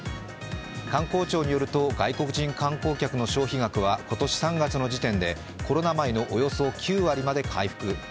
官公庁によると外国人観光客の消費額は今年３月の時点でコロナ前のおよそ９割まで回復。